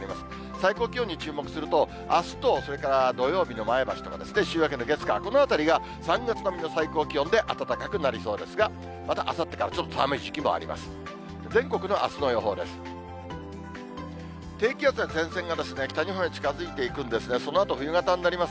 最高気温に注目すると、あすと土曜日の前橋とか、週明けの月、火とか、このあたりが３月並みの最高気温で暖かくなりそうですが、またあさってからちょっと寒い時期もあります。